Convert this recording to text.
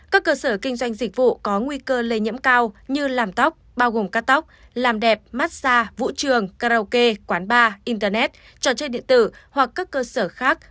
các cơ sở kinh doanh dịch vụ có nguy cơ lây nhiễm cao như làm tóc bao gồm cát tóc làm đẹp massage vũ trường karaoke quán bar internet trò chơi điện tử hoặc các cơ sở khác